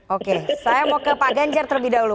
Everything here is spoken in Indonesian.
oke saya mau ke pak ganjar terlebih dahulu